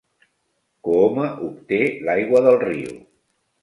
Cooma obté l'aigua del riu.